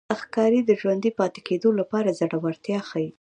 ښکاري د ژوندي پاتې کېدو لپاره زړورتیا ښيي.